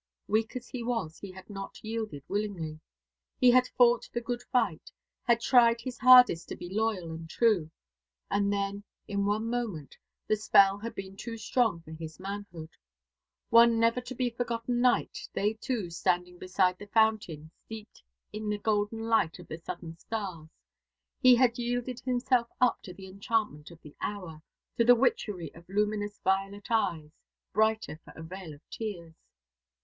Weak as he was, he had not yielded willingly. He had fought the good fight, had tried his hardest to be loyal and true. And then, in one moment, the spell had been too strong for his manhood. One never to be forgotten night, they two standing beside the fountain, steeped in the golden light of the southern stars, he had yielded himself up to the enchantment of the hour, to the witchery of luminous violet eyes, brighter for a veil of tears.